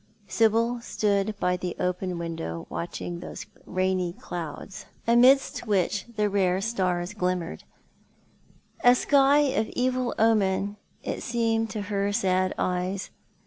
Sibyl stood by the open window watching those rainy clouds, amidst which the rare stars glimmered. A sky of evil omen it seemed to her sad eyes.